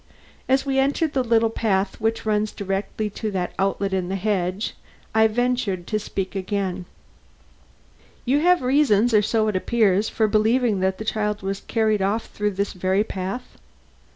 As we entered the little path which runs directly to that outlet in the hedge marked E, I ventured to speak again: "You have reasons, or so it appears, for believing that the child was carried off through this very path?"